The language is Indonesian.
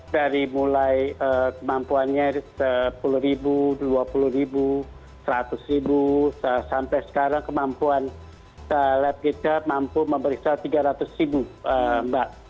dari mulai kemampuannya sepuluh dua puluh seratus sampai sekarang kemampuan lab kita mampu memeriksa tiga ratus mbak